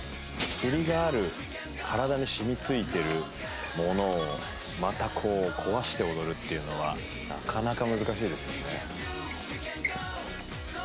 振りがある体に染み付いてるものをまた壊して踊るっていうのはなかなか難しいですよね。